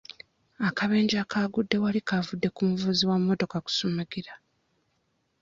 Akabenje akagudde wali kavudde ku muvuzi wa mmotoka kusumagira.